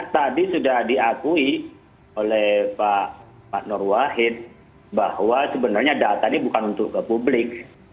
tadi sudah diakui oleh pak nur wahid bahwa sebenarnya data ini bukan untuk ke publik